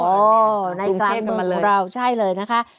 โอ้โหในกลางเมืองเราใช่เลยนะคะ